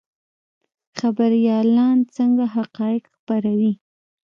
خبریالان څنګه حقایق خپروي؟